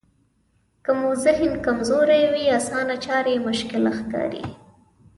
که مو ذهن کمزوری وي اسانه چارې مشکله ښکاري.